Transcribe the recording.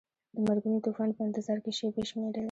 د مرګوني طوفان په انتظار کې شیبې شمیرلې.